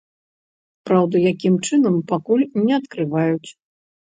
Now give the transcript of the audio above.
Праўда, якім чынам, пакуль не адкрываюць.